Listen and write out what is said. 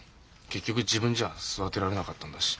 結局自分じゃ育てられなかったんだし。